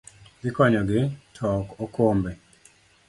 dhi konyogi, to ok okombe.